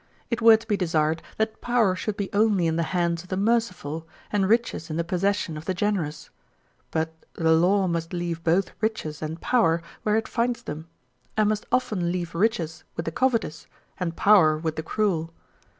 It were to be desired that power should be only in the hands of the merciful, and riches in the possession of the generous; but the law must leave both riches and power where it finds them: and must often leave riches with the covetous, and power with the cruel.